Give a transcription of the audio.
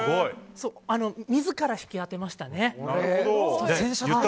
自ら引き当てましたね。